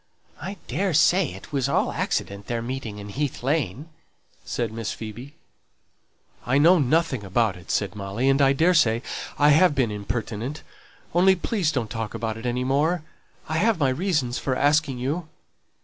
"I daresay it was all accident their meeting in Heath Lane," said Miss Phoebe. "I know nothing about it," said Molly, "and I daresay I have been impertinent, only please don't talk about it any more. I have my reasons for asking you."